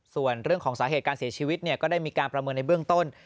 ส่วนเรื่องของสาเหตุการเสียชีวิตก็ได้มีการประเมินในเบื้องต้น